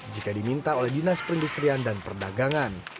jika diminta oleh dinas perindustrian dan perdagangan